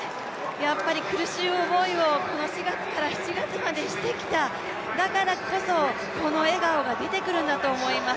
やっぱり苦しい思いをこの４月から７月までしてきただからこそ、この笑顔が出てくるんだと思います。